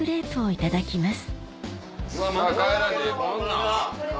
いただきます。